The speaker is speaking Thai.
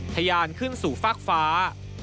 ทยานขึ้นสู่ฟากฟ้า